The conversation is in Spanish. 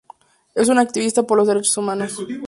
Es una activista por los derechos humanos.